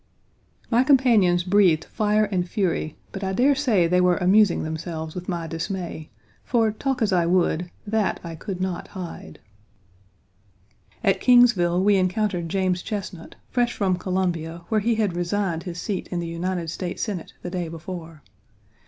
My companions breathed fire and fury, but I dare say they were amusing themselves with my dismay, for, talk as I would, that I could not hide. At Kingsville we encountered James Chesnut, fresh from Columbia, where he had resigned his seat in the United States Senate the day before.